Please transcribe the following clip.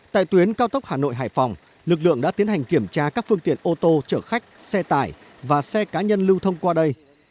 tại tuyến cao tốc hà nội hải phòng lực lượng đã tiến hành kiểm tra các phương tiện ô tô chở khách xe tải và xe cá nhân lưu thông qua đây